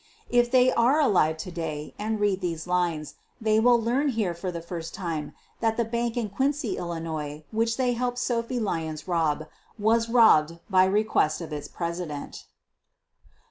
If they are alive to day and read these lines they will learn here for tho first time that the bank in Quincy, 111., which they helped Sophie Lyons rob was robbed by request of its president.